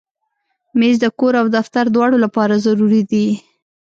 مېز د کور او دفتر دواړو لپاره ضروري دی.